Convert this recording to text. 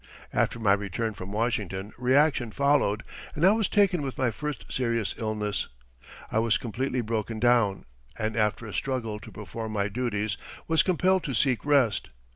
After my return from Washington reaction followed and I was taken with my first serious illness. I was completely broken down, and after a struggle to perform my duties was compelled to seek rest.